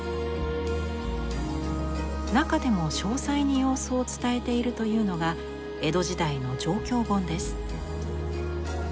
中でも詳細に様子を伝えているというのが江戸時代の「貞享本」です。